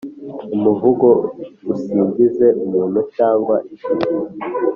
Umuvugo usingiza umuntu cyangwa ikintu.